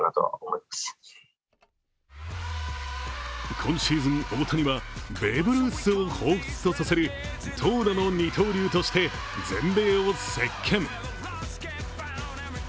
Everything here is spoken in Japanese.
今シーズン大谷はベーブ・ルースをほうふつとさせる投打の二刀流として全米を席けん。